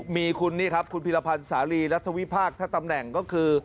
มีคุณนี่ครับคุณพิรพันธ์สาลีรัฐวิพากษตำแหน่งก็คือ